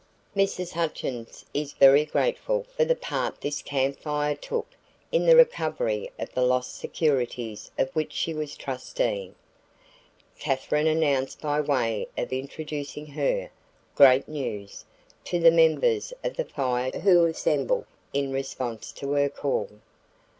"Mrs. Hutchins is very grateful for the part this Camp Fire took in the recovery of the lost securities of which she was trustee," Katherine announced by way of introducing her "great news" to the members of the Fire who assembled in response to her call.